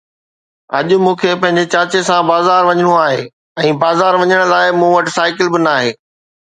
اڄ مون کي پنهنجي چاچي سان بازار وڃڻو آهي ۽ بازار وڃڻ لاءِ مون وٽ سائيڪل به ناهي.